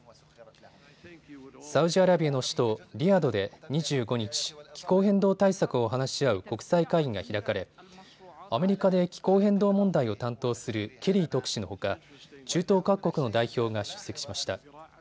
サウジアラビアの首都リヤドで２５日、気候変動対策を話し合う国際会議が開かれアメリカで気候変動問題を担当するケリー特使のほか、中東各国の代表が出席しました。